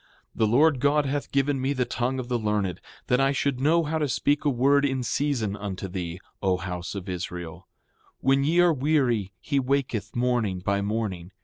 7:4 The Lord God hath given me the tongue of the learned, that I should know how to speak a word in season unto thee, O house of Israel. When ye are weary he waketh morning by morning.